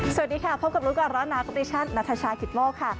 สวัสดีค่ะพบกับรุ่นก่อนแล้วนะครับดิฉันนาธิชาคิดโม่ค่ะ